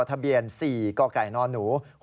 ทะเบียน๔กกน